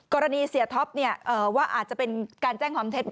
เสียท็อปว่าอาจจะเป็นการแจ้งความเท็จ